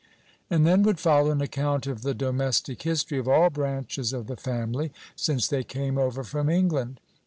And then would follow an account of the domestic history of all branches of the family since they came over from England.